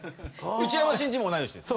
内山信二も同い年です。